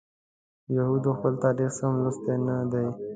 یهودو خپل تاریخ سم لوستی نه دی.